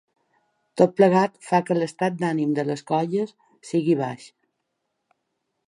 Tot plegat fa que l’estat d’ànim de les colles sigui baix.